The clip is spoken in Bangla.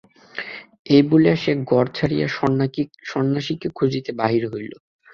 এই বলিয়া সে ঘর ছাড়িয়া সন্ন্যাসীকে খুঁজিতে বাহির হইল।